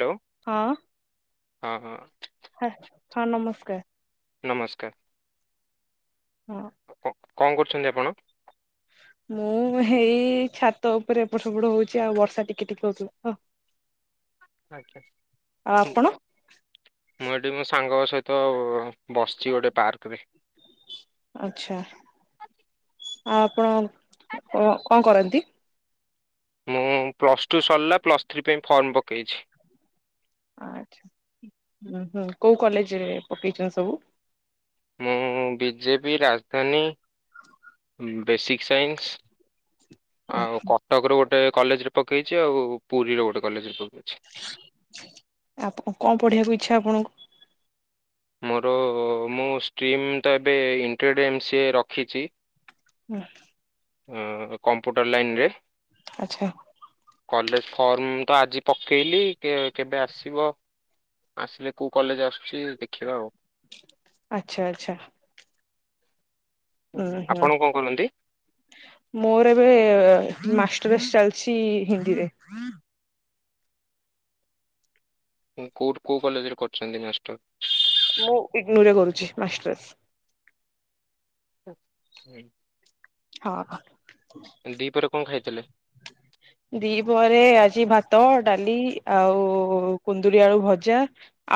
Hello. ହଁ। ହଁ- ହଁ। ହା ହଁ ନମସ୍କାର୍। ନମସ୍କାର୍। ହଁ। ହ-କଣ କରୁଚନ୍ତି ଆପଣ? ମୁଁ ହେଇ ଛାତ ଉପରେ ଏପଟ୍ ସେପଟ୍ ହଉଚି ଆଉ ବର୍ଷା ଟିକେ ଟିକେ ହଉଥିଲା ତ। ଆଚ୍ଛା। ଆପଣ [inaudible] ମୁଁ ଏଇଠି ମୋ ସାଙ୍ଗ ସହିତ ବସିଚି ଗୋଟେ ପାର୍କରେ। ଆଚ୍ଛା ଆ- ଆପଣ କ-କଣ କରନ୍ତି? ମୁଁ ପ୍ଲସ୍ ଟୁ ସରିଲା ପ୍ଲସ୍ ଥ୍ରୀ ପାଇଁ ଫର୍ମ ପକେଇଚି। ଆଚ୍ଛା ହୁଁ ହୁଁ କଉ କଲେଜ୍ ରେ ପକେଇଚନ୍ତି ସବୁ? ମୁଁ ବିଜେପି, ରାଜଧାନୀ ବେସିକ୍ ସାଇନ୍ସ୍ ଆଉ କଟକର ଗୋଟେ କଲେଜ୍ ରେ ପକେଇଚି ଆଉ ପୁରୀର ଗୋଟେ କଲେଜ୍ ରେ ପକେଇଚି। ଆପ- କଣ ପଢିବାକୁ ଇଚ୍ଛା ଆପଣଙ୍କୁ? ମୋର ମୁଁ ଷ୍ଟ୍ରିମ୍ ତ ଏବେ ଇଣ୍ଟ୍ରଡି ଏମ୍ ସିଏ ରଖିଚି। [inaudible] ଅଁ- କମ୍ପୁଟର ଲାଇନ୍ ରେ। ଆଚ୍ଛା। କଲେଜ ଫର୍ମ ତ ଆଜି ପକେଇଲି କେ କେବେ ଆସିବ। ଆସିଲେ କୋଉ କଲେଜ ଆସୁଛି ଦେଖିବା ଆଉ। ଆଚ୍ଛା ଆଚ୍ଛା। ଉଁ ହୁଁ। ଆପଣ କଣ କରନ୍ତି ମୋର ଏବେ ମାଷ୍ଟର୍ସ ଚାଲିଛି ହିନ୍ଦୀରେ। ଏ କୋଉଠି କୋଉ କଲେଜରେ କରୁଛନ୍ତି ନଷ୍ଟ ମୁଁ ଇଗ୍ନୋରେ କରୁଛି ମାଷ୍ଟର୍ସ। ହୁଁ। ହ। ଏଁ ଦିପହରେ କଣ ଖାଇଥିଲେ? ଦି ପହରେ ଆଜି ଭାତ ଡାଲି ଆଉ କୁନ୍ଦୁରି ଆଳୁ ଭଜା।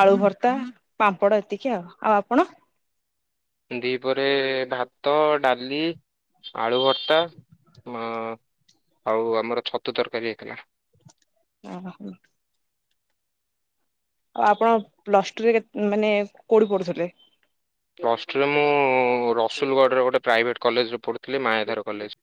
ଆଳୁ ଭର୍ତ୍ତା, ପାମ୍ପଡ ଏତିକି ଆଉ ଆଉ ଆପଣ? ଦି ପରେ ଭାତ ଡାଲି ଆଳୁ ଭର୍ତ୍ତା ଉଁ ଆଉ ଆମର ଛତୁ ତରକାରୀ ହେଇଥିଲା। ଅ ହା ହଉ। ଆଉ ଆପଣ ପ୍ଲସ ଟୁରେ କେ ମାନେ କୋଉଡି ପଡୁଥିଲେ? ପ୍ଲସ୍ ଟୁ ରେ ମୁଁ ରସୁଲଗଡ଼ରେ ଗୋଟେ ପ୍ରାଇଭେଟ୍ କଲେଜରେ ପଢ଼ୁଥିଲି ମାୟାଧର କଲେଜ।